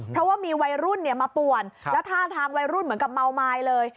เพราะว่ามีวัยรุ่นมาป่วนแล้วท่าทางวัยรุ่นเหมือนกับเมาไม้เลย